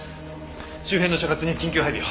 周辺の所轄に緊急配備を！